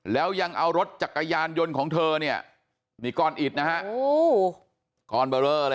แล้วยังเอารถจักรยานยนต์ของเธอเนี่ยนี่ก้อนอิดนะฮะ